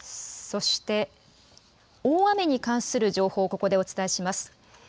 そして、大雨に関する情報をここでお伝えします。